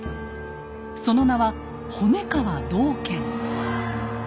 その名は骨皮道賢。